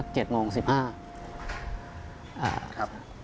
ครับ